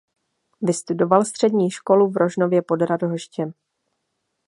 Vystudoval střední školu v Rožnově pod Radhoštěm.